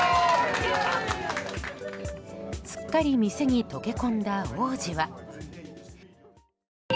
すっかり店に溶け込んだ王子は。